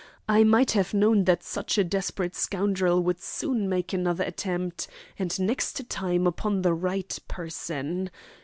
I might have known that such a desperate scoundrel would soon make another attempt, and next time upon the right person.